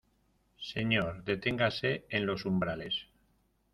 señor, deténgase en los umbrales.